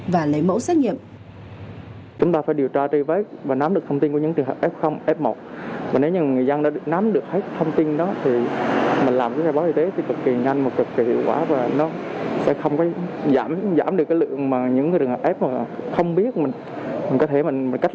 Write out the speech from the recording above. và lấy mẫu xét nghiệm